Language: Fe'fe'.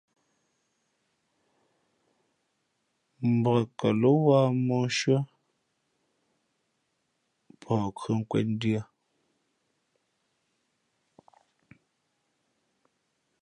Mbak kάló wāha móhshʉ̄ᾱ pαh khʉᾱ nkwēn ndʉ̄ᾱ.